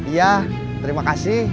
iya terima kasih